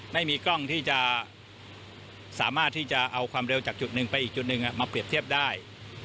ไม่มีกล้องที่จะสามารถที่จะเอาความเร็วจากจุดหนึ่งไปอีกจุดหนึ่งมาเปรียบเทียบได้